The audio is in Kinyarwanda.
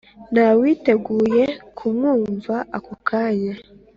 ntawiteguye kumwumva ako kanya